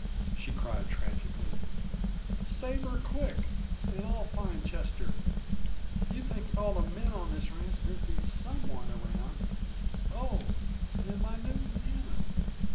she cried tragically. "Save her, quick and I'll find Chester. You'd think, with all the men there are on this ranch, there'd be some one around oh, and my new piano!"